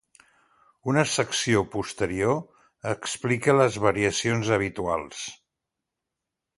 Una secció posterior explica les variacions habituals.